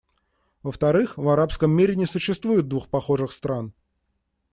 Во-вторых, в арабском мире не существует двух похожих стран.